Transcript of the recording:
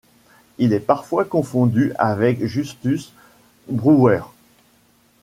Il est parfois confondu avec Justus Brouwer.